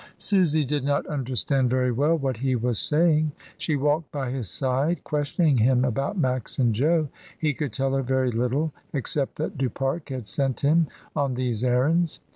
Susy did not understand very well what he was saying. She walked by his side, questioning him about Max and Jo. He could tell her very little, except that Du Pare had sent him on these errands.